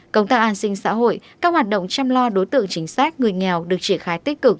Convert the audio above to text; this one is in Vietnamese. công tác an sinh xã hội các hoạt động chăm lo đối tượng chính sách người nghèo được triển khai tích cực